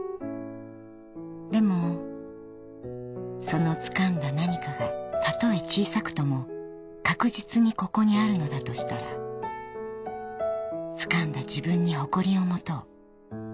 ［でもそのつかんだ何かがたとえ小さくとも確実にここにあるのだとしたらつかんだ自分に誇りを持とう］